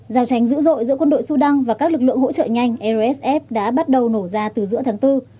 giao tranh dữ dội giữa quân đội sudan và các lực lượng hỗ trợ nhanh rsf đã bắt đầu nổ ra từ giữa tháng bốn